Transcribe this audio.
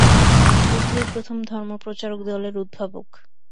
বুদ্ধই প্রথম ধর্মপ্রচারক দলের উদ্ভাবক।